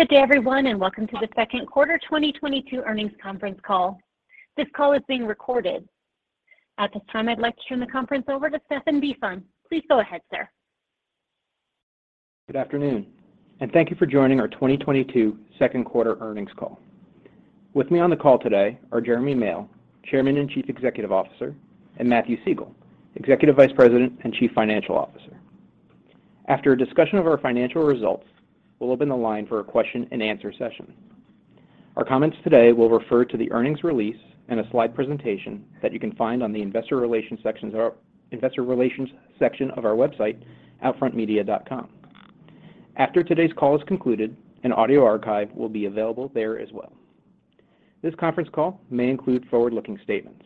Good day everyone, and welcome to the second quarter 2022 earnings conference call. This call is being recorded. At this time, I'd like to turn the conference over to Stephan Bisson. Please go ahead, sir. Good afternoon, and thank you for joining our 2022 second quarter earnings call. With me on the call today are Jeremy Male, Chairman and Chief Executive Officer, and Matthew Siegel, Executive Vice President and Chief Financial Officer. After a discussion of our financial results, we'll open the line for a question and answer session. Our comments today will refer to the earnings release and a slide presentation that you can find on the Investor Relations section of our website, outfrontmedia.com. After today's call is concluded, an audio archive will be available there as well. This conference call may include forward-looking statements.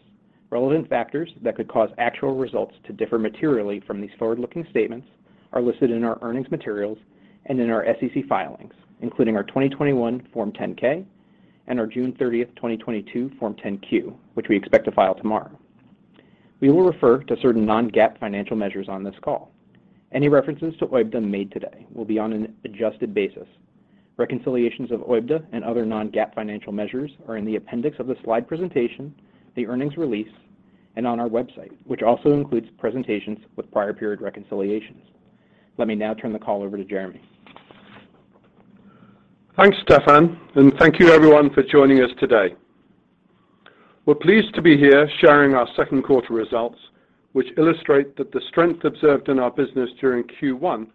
Relevant factors that could cause actual results to differ materially from these forward-looking statements are listed in our earnings materials and in our SEC filings, including our 2021 Form 10-K and our June 30th, 2022 Form 10-Q, which we expect to file tomorrow. We will refer to certain non-GAAP financial measures on this call. Any references to OIBDA made today will be on an adjusted basis. Reconciliations of OIBDA and other non-GAAP financial measures are in the appendix of the slide presentation, the earnings release, and on our website, which also includes presentations with prior period reconciliations. Let me now turn the call over to Jeremy. Thanks, Stephan, and thank you everyone for joining us today. We're pleased to be here sharing our second quarter results, which illustrate that the strength observed in our business during Q1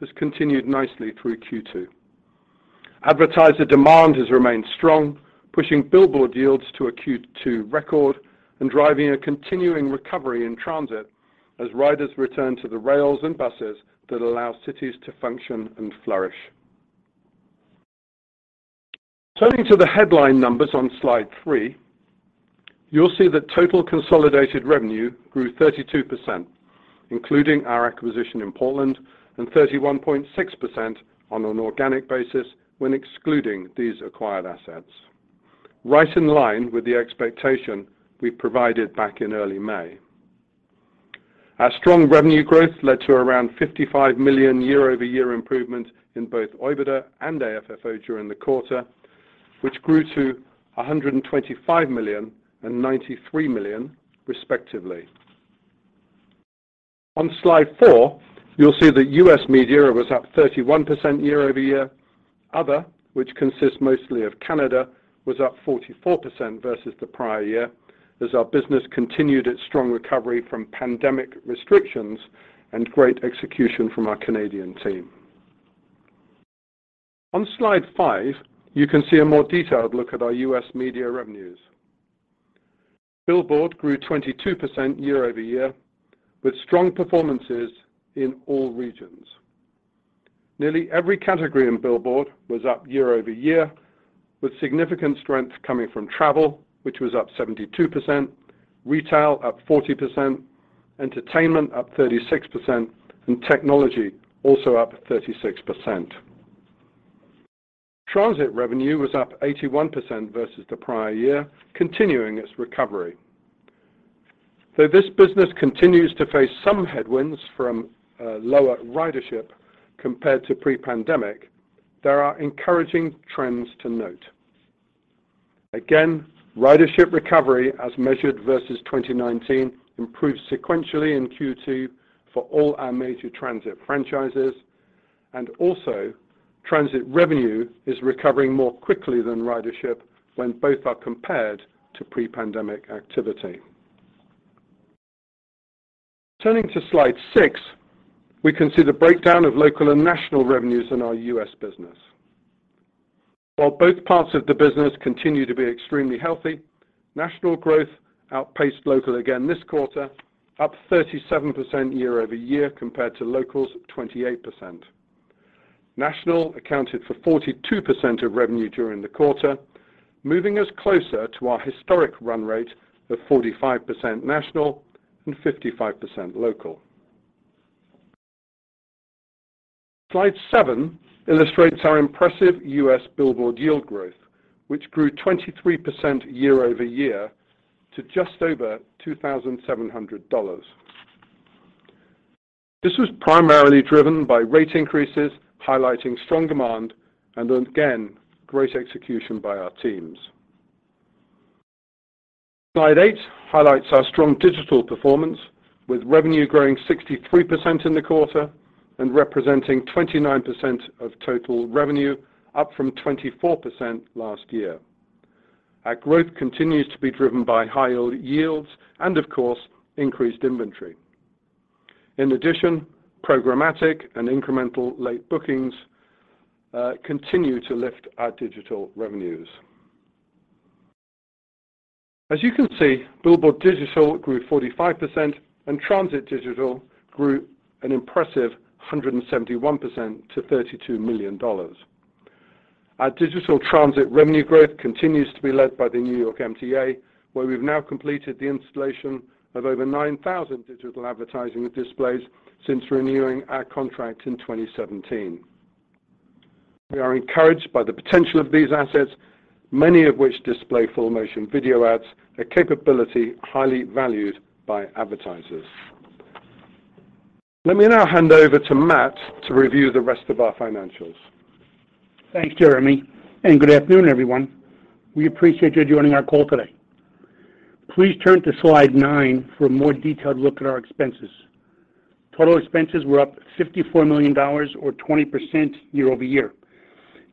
has continued nicely through Q2. Advertiser demand has remained strong, pushing billboard yields to a Q2 record and driving a continuing recovery in transit as riders return to the rails and buses that allow cities to function and flourish. Turning to the headline numbers on slide three, you'll see that total consolidated revenue grew 32%, including our acquisition in Portland, and 31.6% on an organic basis when excluding these acquired assets. Right in line with the expectation we provided back in early May. Our strong revenue growth led to around $55 million year-over-year improvement in both OIBDA and AFFO during the quarter, which grew to $125 million and $93 million respectively. On slide four, you'll see that U.S. media was up 31% year-over-year. Other, which consists mostly of Canada, was up 44% versus the prior year as our business continued its strong recovery from pandemic restrictions and great execution from our Canadian team. On slide five, you can see a more detailed look at our U.S. media revenues. Billboard grew 22% year-over-year with strong performances in all regions. Nearly every category in billboard was up year-over-year, with significant strength coming from travel, which was up 72%, retail up 40%, entertainment up 36%, and technology also up 36%. Transit revenue was up 81% versus the prior year, continuing its recovery. Though this business continues to face some headwinds from lower ridership compared to pre-pandemic, there are encouraging trends to note. Again, ridership recovery as measured versus 2019 improved sequentially in Q2 for all our major transit franchises. Also transit revenue is recovering more quickly than ridership when both are compared to pre-pandemic activity. Turning to slide six, we can see the breakdown of local and national revenues in our U.S. business. While both parts of the business continue to be extremely healthy, national growth outpaced local again this quarter, up 37% year-over-year compared to local's 28%. National accounted for 42% of revenue during the quarter, moving us closer to our historic run rate of 45% national and 55% local. Slide seven illustrates our impressive US billboard yield growth, which grew 23% year-over-year to just over $2,700. This was primarily driven by rate increases, highlighting strong demand and again, great execution by our teams. Slide eight highlights our strong digital performance with revenue growing 63% in the quarter and representing 29% of total revenue up from 24% last year. Our growth continues to be driven by high yield yields and of course increased inventory. In addition, programmatic and incremental late bookings continue to lift our digital revenues. As you can see, billboard digital grew 45% and transit digital grew an impressive 171% to $32 million. Our digital transit revenue growth continues to be led by the New York MTA, where we've now completed the installation of over 9,000 digital advertising displays since renewing our contract in 2017. We are encouraged by the potential of these assets, many of which display full motion video ads, a capability highly valued by advertisers. Let me now hand over to Matt to review the rest of our financials. Thanks, Jeremy, and good afternoon, everyone. We appreciate you joining our call today. Please turn to slide nine for a more detailed look at our expenses. Total expenses were up $54 million or 20% year-over-year.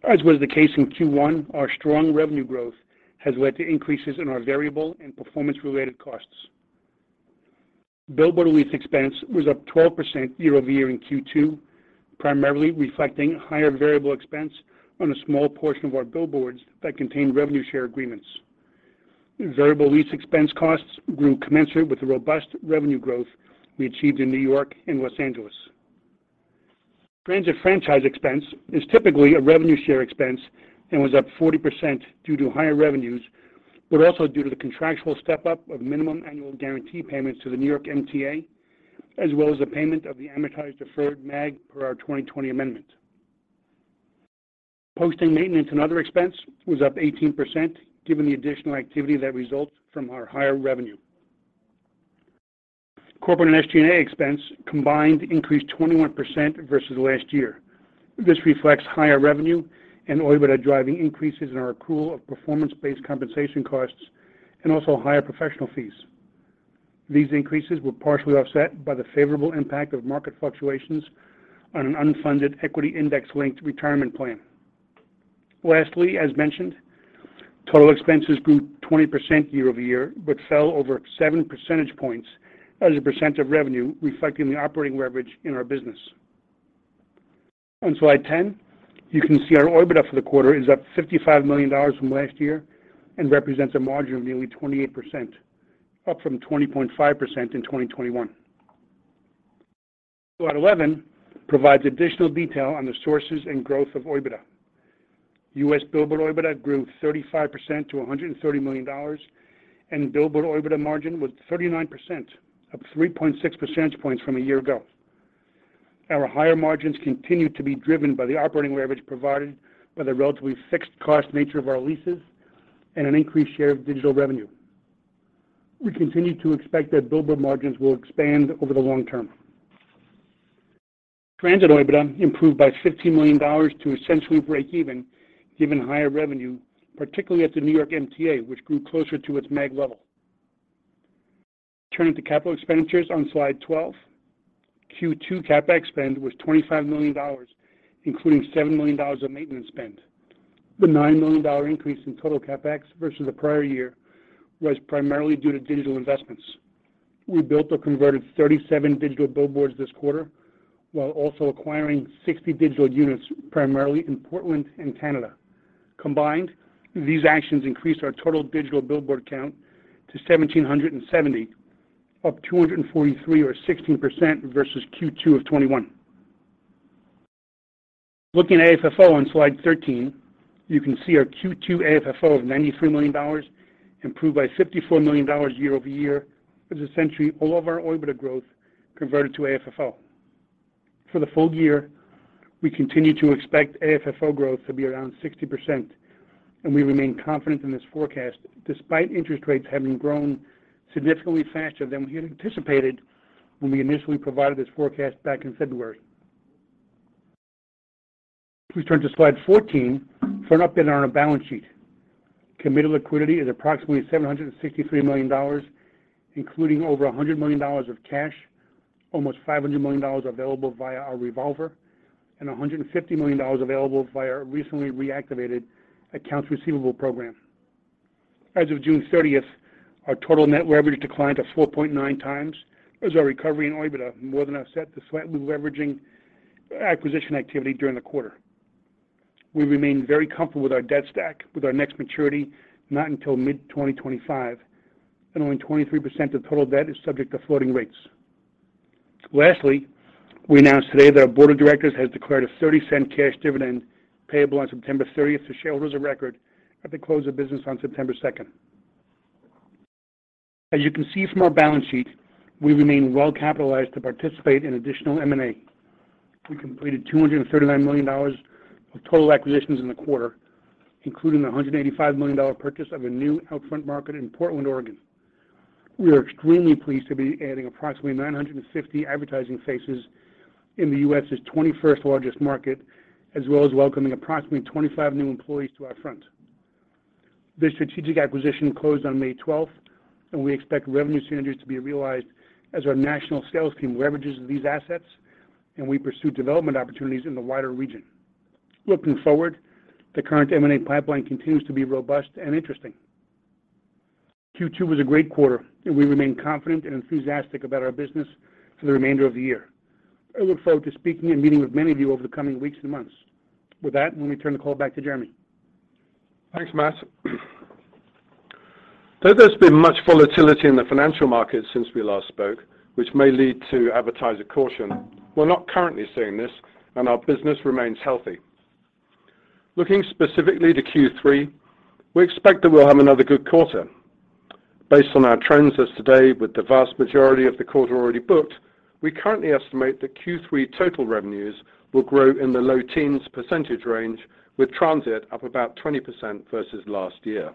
As was the case in Q1, our strong revenue growth has led to increases in our variable and performance-related costs. Billboard lease expense was up 12% year-over-year in Q2, primarily reflecting higher variable expense on a small portion of our billboards that contain revenue share agreements. Variable lease expense costs grew commensurate with the robust revenue growth we achieved in New York and Los Angeles. Transit franchise expense is typically a revenue share expense and was up 40% due to higher revenues, but also due to the contractual step-up of minimum annual guarantee payments to the New York MTA, as well as the payment of the amortized deferred MAG per our 2020 amendment. Posting maintenance and other expense was up 18% given the additional activity that results from our higher revenue. Corporate and SG&A expense combined increased 21% versus last year. This reflects higher revenue and OIBDA driving increases in our accrual of performance-based compensation costs and also higher professional fees. These increases were partially offset by the favorable impact of market fluctuations on an unfunded equity index linked retirement plan. Lastly, as mentioned, total expenses grew 20% year-over-year, but fell over 7 percentage points as a percent of revenue reflecting the operating leverage in our business. On slide 10, you can see our OIBDA for the quarter is up $55 million from last year and represents a margin of nearly 28%, up from 20.5% in 2021. Slide 11 provides additional detail on the sources and growth of OIBDA. U.S. Billboard OIBDA grew 35% to $130 million, and Billboard OIBDA margin was 39%, up 3.6 percentage points from a year ago. Our higher margins continue to be driven by the operating leverage provided by the relatively fixed cost nature of our leases and an increased share of digital revenue. We continue to expect that Billboard margins will expand over the long term. Transit OIBDA improved by $15 million to essentially break even given higher revenue, particularly at the New York MTA, which grew closer to its MAG level. Turning to capital expenditures on slide 12. Q2 CapEx spend was $25 million, including $7 million of maintenance spend. The $9 million dollar increase in total CapEx versus the prior year was primarily due to digital investments. We built or converted 37 digital billboards this quarter, while also acquiring 60 digital units primarily in Portland and Canada. Combined, these actions increased our total digital billboard count to 1,770, up 243 or 16% versus Q2 of 2021. Looking at AFFO on slide 13, you can see our Q2 AFFO of $93 million improved by $54 million year-over-year as essentially all of our OIBDA growth converted to AFFO. For the full year, we continue to expect AFFO growth to be around 60%, and we remain confident in this forecast despite interest rates having grown significantly faster than we had anticipated when we initially provided this forecast back in February. Please turn to slide 14 for an update on our balance sheet. Committed liquidity is approximately $763 million, including over $100 million of cash, almost $500 million available via our revolver, and $150 million available via our recently reactivated accounts receivable program. As of June 30th, our total net leverage declined to 4.9x as our recovery in OIBDA more than offset the slight re-leveraging acquisition activity during the quarter. We remain very comfortable with our debt stack with our next maturity not until mid-2025, and only 23% of total debt is subject to floating rates. Lastly, we announced today that our board of directors has declared a $0.30 cash dividend payable on September 30th to shareholders of record at the close of business on September 2nd. As you can see from our balance sheet, we remain well-capitalized to participate in additional M&A. We completed $239 million of total acquisitions in the quarter, including the $185 million purchase of a new OUTFRONT market in Portland, Oregon. We are extremely pleased to be adding approximately 950 advertising faces in the U.S.'s 21st largest market, as well as welcoming approximately 25 new employees to OUTFRONT. This strategic acquisition closed on May 12th, and we expect revenue synergies to be realized as our national sales team leverages these assets and we pursue development opportunities in the wider region. Looking forward, the current M&A pipeline continues to be robust and interesting. Q2 was a great quarter, and we remain confident and enthusiastic about our business for the remainder of the year. I look forward to speaking and meeting with many of you over the coming weeks and months. With that, let me turn the call back to Jeremy. Thanks, Matt. Though there's been much volatility in the financial markets since we last spoke, which may lead to advertiser caution, we're not currently seeing this and our business remains healthy. Looking specifically to Q3, we expect that we'll have another good quarter. Based on our trends as of today with the vast majority of the quarter already booked, we currently estimate that Q3 total revenues will grow in the low teens % range, with transit up about 20% versus last year.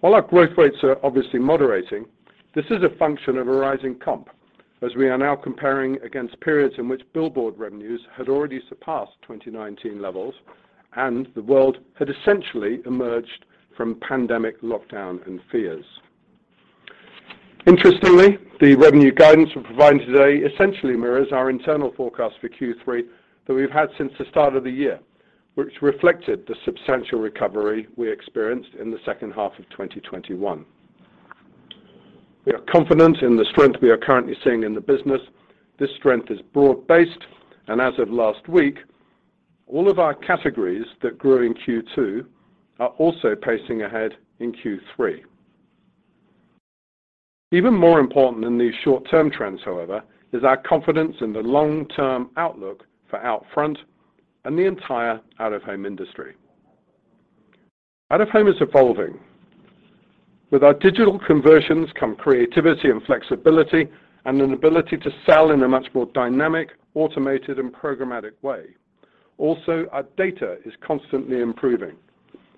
While our growth rates are obviously moderating, this is a function of a rising comp as we are now comparing against periods in which billboard revenues had already surpassed 2019 levels and the world had essentially emerged from pandemic lockdown and fears. Interestingly, the revenue guidance we're providing today essentially mirrors our internal forecast for Q3 that we've had since the start of the year, which reflected the substantial recovery we experienced in the second half of 2021. We are confident in the strength we are currently seeing in the business. This strength is broad-based, and as of last week, all of our categories that grew in Q2 are also pacing ahead in Q3. Even more important than these short-term trends, however, is our confidence in the long-term outlook for OUTFRONT and the entire out-of-home industry. Out-of-home is evolving. With our digital conversions come creativity and flexibility and an ability to sell in a much more dynamic, automated, and programmatic way. Also, our data is constantly improving,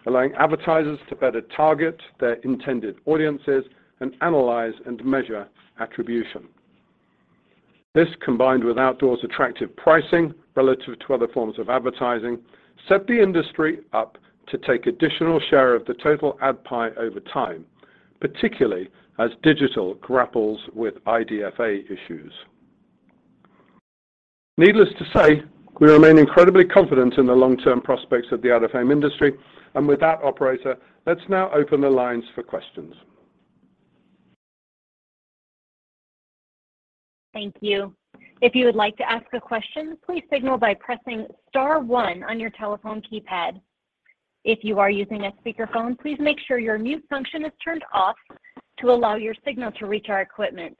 allowing advertisers to better target their intended audiences and analyze and measure attribution. This, combined with outdoor's attractive pricing relative to other forms of advertising, set the industry up to take additional share of the total ad pie over time, particularly as digital grapples with IDFA issues. Needless to say, we remain incredibly confident in the long term prospects of the out-of-home industry. With that, operator, let's now open the lines for questions. Thank you. If you would like to ask a question, please signal by pressing star one on your telephone keypad. If you are using a speakerphone, please make sure your mute function is turned off to allow your signal to reach our equipment.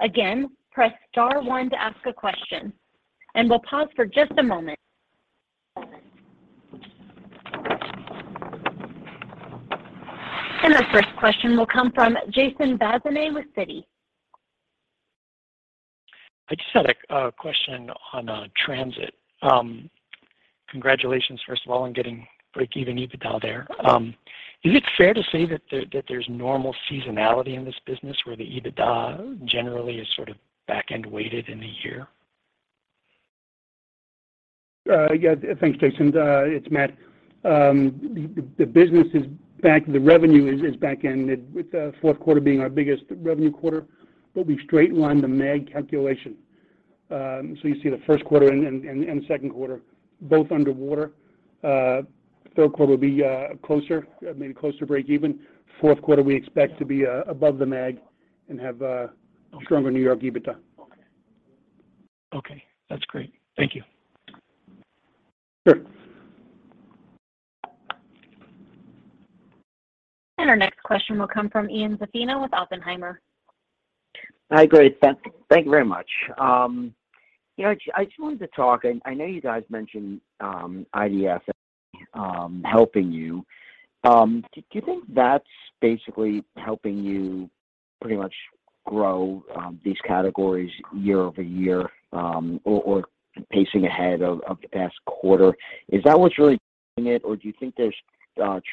Again, press star one to ask a question, and we'll pause for just a moment. The first question will come from Jason Bazinet with Citi. I just had a question on Transit. Congratulations, first of all, on getting breakeven EBITDA there. Is it fair to say that there's normal seasonality in this business where the EBITDA generally is sort of back-end weighted in the year? Yeah. Thanks, Jason. It's Matt. The business is back. The revenue is back-ended with fourth quarter being our biggest revenue quarter. We've straight lined the MAG calculation. You see the first quarter and the second quarter both underwater. Third quarter will be closer, maybe closer breakeven. Fourth quarter, we expect to be above the MAG and have stronger New York EBITDA. Okay. Okay, that's great. Thank you. Sure. Our next question will come from Ian Zaffino with Oppenheimer. Hi, great. Thank you very much. You know, I just wanted to talk. I know you guys mentioned IDFA helping you. Do you think that's basically helping you pretty much grow these categories year over year, or pacing ahead of the past quarter? Is that what's really doing it, or do you think there's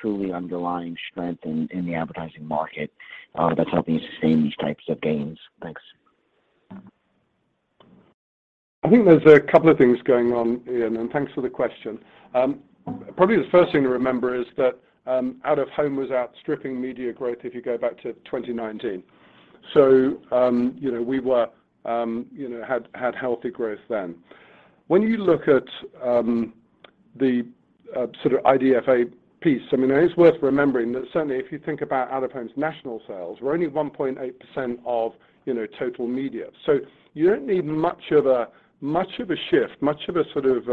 truly underlying strength in the advertising market that's helping you sustain these types of gains? Thanks. I think there's a couple of things going on, Ian, and thanks for the question. Probably the first thing to remember is that out-of-home was outstripping media growth if you go back to 2019. You know, we had healthy growth then. When you look at the sort of IDFA piece, I mean, it is worth remembering that certainly if you think about out-of-home's national sales, we're only 1.8% of you know total media. You don't need much of a sort of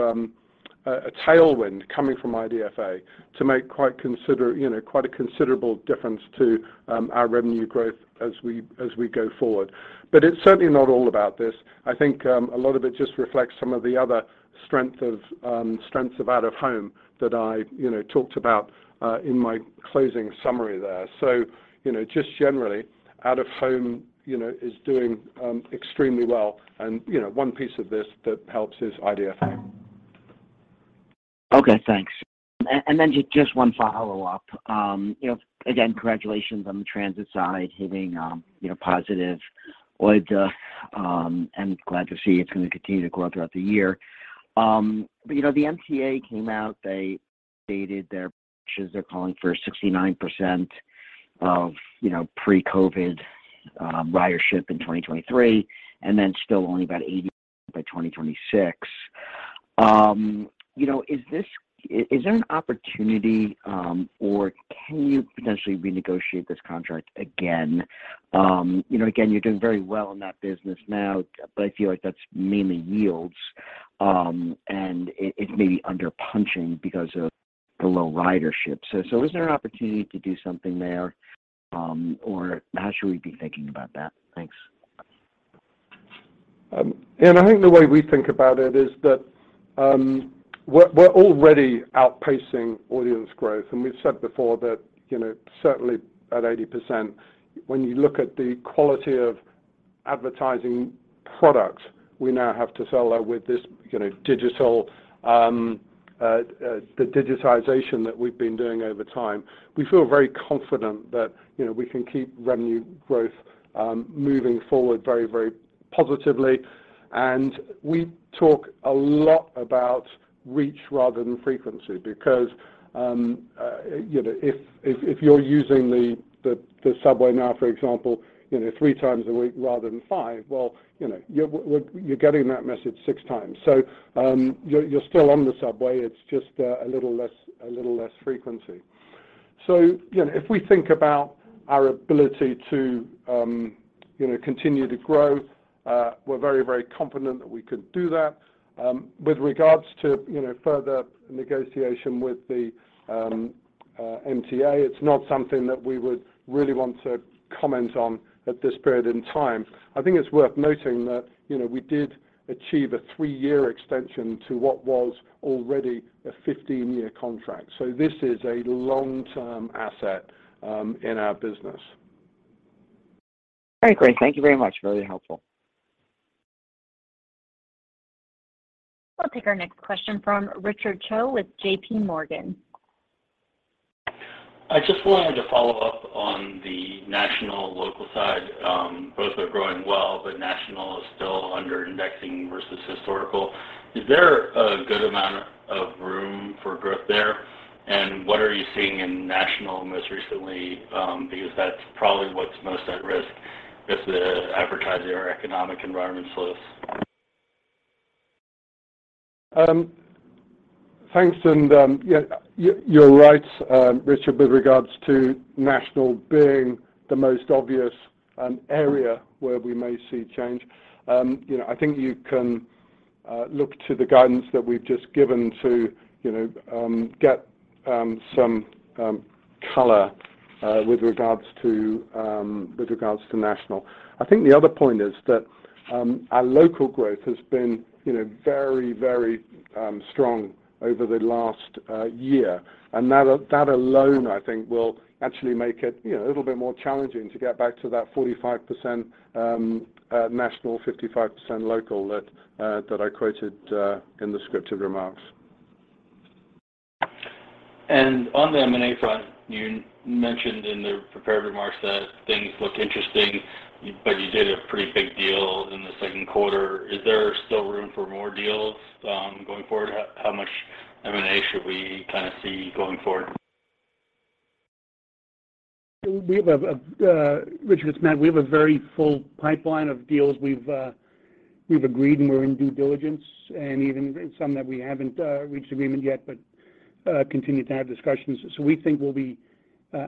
tailwind coming from IDFA to make quite a considerable difference to our revenue growth as we go forward. But it's certainly not all about this. I think, a lot of it just reflects some of the other strengths of out-of-home that I, you know, talked about, in my closing summary there. You know, just generally, out-of-home, you know, is doing extremely well. You know, one piece of this that helps is IDFA. Okay, thanks. Just one follow-up. You know, again, congratulations on the transit side, hitting, you know, positive OIBDA, and glad to see it's gonna continue to grow throughout the year. You know, the MTA came out, they stated their projections. They're calling for 69% of, you know, pre-COVID ridership in 2023, and then still only about 80% by 2026. You know, is there an opportunity, or can you potentially renegotiate this contract again? You know, again, you're doing very well in that business now, but I feel like that's mainly yields, and it may be underpunching because of the low ridership. Is there an opportunity to do something there, or how should we be thinking about that? Thanks. Ian, I think the way we think about it is that we're already outpacing audience growth. We've said before that, you know, certainly at 80%, when you look at the quality of advertising product we now have to sell out with this, you know, digital, the digitization that we've been doing over time. We feel very confident that, you know, we can keep revenue growth moving forward very, very positively. We talk a lot about reach rather than frequency because, you know, if you're using the subway now, for example, you know, three times a week rather than five, well, you know, you're getting that message six times. You're still on the subway. It's just a little less frequency. You know, if we think about our ability to, you know, continue to grow, we're very confident that we can do that. With regards to, you know, further negotiation with the, MTA, it's not something that we would really want to comment on at this period in time. I think it's worth noting that, you know, we did achieve a three-year extension to what was already a 15-year contract. This is a long-term asset, in our business. Very great. Thank you very much. Very helpful. We'll take our next question from Richard Choe with JP Morgan. I just wanted to follow up on the national local side. Both are growing well, but national is still under indexing versus historical. Is there a good amount of room for growth there? What are you seeing in national most recently, because that's probably what's most at risk if the advertiser or economic environment slows? Thanks. Yeah, you're right, Richard, with regards to national being the most obvious area where we may see change. You know, I think you can look to the guidance that we've just given to you know get some color with regards to national. I think the other point is that our local growth has been you know very strong over the last year. That alone, I think, will actually make it you know a little bit more challenging to get back to that 45% national, 55% local that I quoted in the scripted remarks. On the M&A front, you mentioned in the prepared remarks that things look interesting, but you did a pretty big deal in the second quarter. Is there still room for more deals, going forward? How much M&A should we kinda see going forward? Richard, it's Matt. We have a very full pipeline of deals we've agreed and we're in due diligence and even some that we haven't reached agreement yet, but continue to have discussions. We think we'll be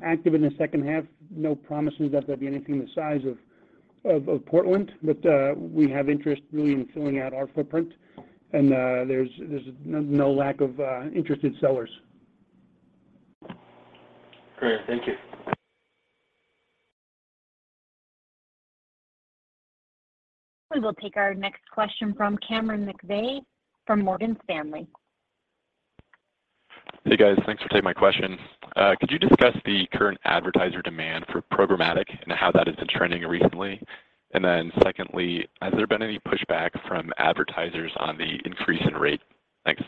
active in the second half. No promises that there'll be anything the size of Portland, but we have interest really in filling out our footprint. There's no lack of interested sellers. Great. Thank you. We will take our next question from Cameron McVeigh from Morgan Stanley. Hey, guys. Thanks for taking my question. Could you discuss the current advertiser demand for programmatic and how that has been trending recently? Secondly, has there been any pushback from advertisers on the increase in rate? Thanks.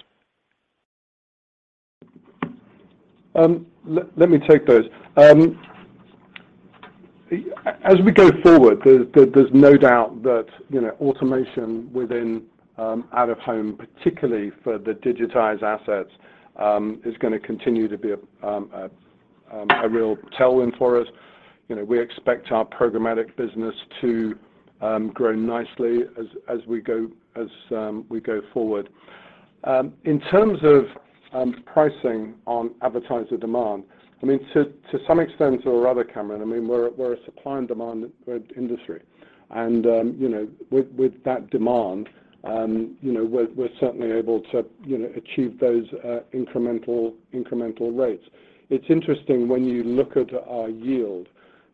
Let me take those. As we go forward, there's no doubt that, you know, automation within out-of-home, particularly for the digitized assets, is gonna continue to be a real tailwind for us. You know, we expect our programmatic business to grow nicely as we go forward. In terms of pricing on advertiser demand, I mean, to some extent or other, Cameron, I mean, we're a supply and demand industry. You know, with that demand, you know, we're certainly able to, you know, achieve those incremental rates. It's interesting when you look at our yield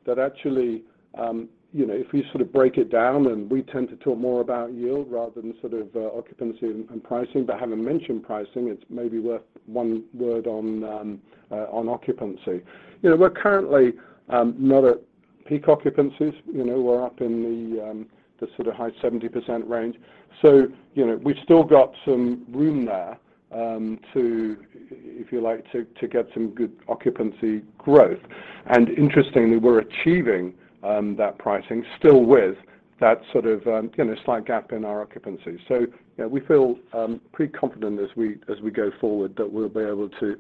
that actually, you know, if we sort of break it down and we tend to talk more about yield rather than sort of, occupancy and pricing, but haven't mentioned pricing, it's maybe worth one word on occupancy. You know, we're currently not at peak occupancies. You know, we're up in the sort of high 70% range. You know, we've still got some room there to, if you like, get some good occupancy growth. Interestingly, we're achieving that pricing still with that sort of, you know, slight gap in our occupancy. You know, we feel pretty confident as we go forward that we'll be able to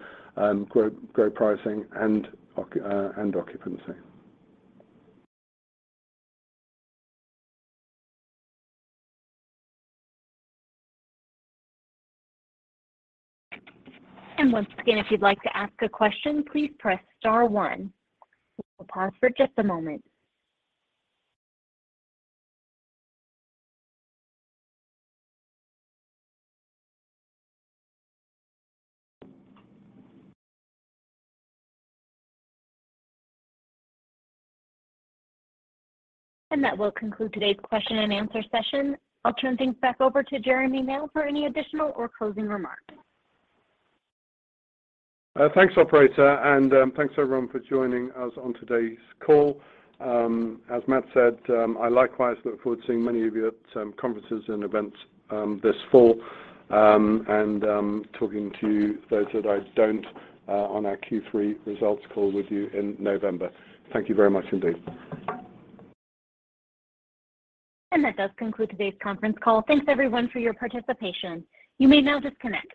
grow pricing and occupancy. Once again, if you'd like to ask a question, please press star one. We'll pause for just a moment. That will conclude today's question and answer session. I'll turn things back over to Jeremy now for any additional or closing remarks. Thanks, operator. Thanks everyone for joining us on today's call. As Matt said, I likewise look forward to seeing many of you at some conferences and events this fall, talking to those that I don't on our Q3 results call with you in November. Thank you very much indeed. That does conclude today's conference call. Thanks everyone for your participation. You may now disconnect.